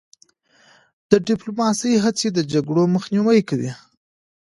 د ډیپلوماسی هڅې د جګړو مخنیوی کوي.